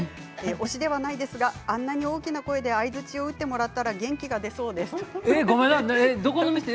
推しではないですがあんなに大きな声で相づちを打ってもらったらどこの店？